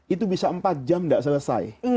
itu bisa empat jam tidak selesai